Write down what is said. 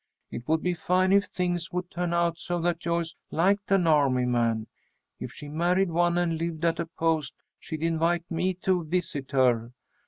It would be fine if things would turn out so that Joyce liked an army man. If she married one and lived at a post she'd invite me to visit her.